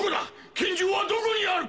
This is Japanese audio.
拳銃はどこにある！？